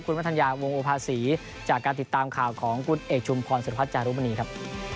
คุณวัฒนยาวงโอภาษีจากการติดตามข่าวของคุณเอกชุมพรสุรพัฒน์จารุมณีครับ